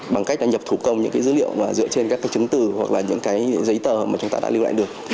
bằng cách là nhập thủ công những cái dữ liệu mà dựa trên các cái chứng từ hoặc là những cái giấy tờ mà chúng ta đã lưu lại được